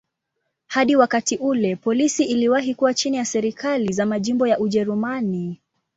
Hadi wakati ule polisi iliwahi kuwa chini ya serikali za majimbo ya Ujerumani.